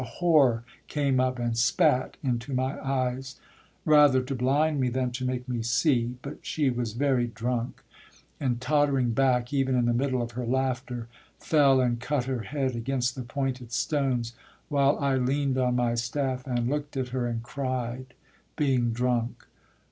A whore came up and spat into my eyes, Rather to blind me than to make me see, But she was very drunk, and tottering back, Even in the middle of her laughter fell And cut her head against the pointed stones, While I lean'd on my staff, and look'd at her, And cried, being drunk.